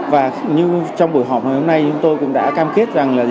và trong buổi họp hôm nay chúng tôi cũng đã cam kết rằng là